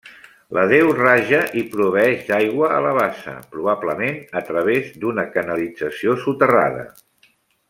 La deu raja i proveeix d'aigua a la bassa, probablement a través d'una canalització soterrada.